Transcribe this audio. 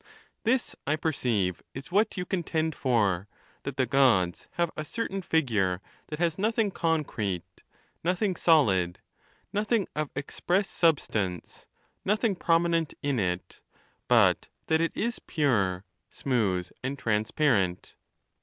XXVII. This, I perceive, is what you contend for, that the Gods have a certain figure that has nothing concrete, nothing solid, nothing of express substance, nothing prom inent in it; but that it is pure, smooth, and transparent.